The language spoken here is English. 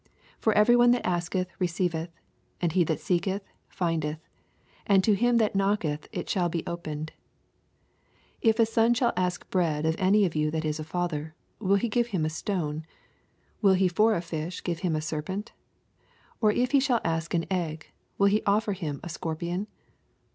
10 For every one that asketh re ceiveth ; and he that seeketh flndeth ; and to him that knocketh it shall be opened. 11 If a son shall ask bread of any of you that is a father, will he give him a stone ? or if he ask a fish, will he for a fish give him a serpent ? 12 Or if he shall ask an egg^ will he offer him a scoipion